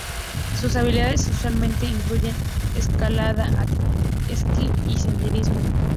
Sus habilidades usualmente incluyen escalada, esquí y senderismo.